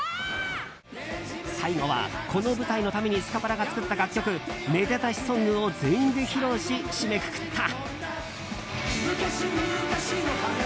最後は、この舞台のためにスカパラが作った楽曲「めでたしソング」を全員で披露し、締めくくった。